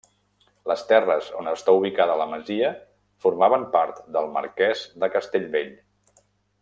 Les terres on està ubicada la masia formaven part del Marquès de Castellbell.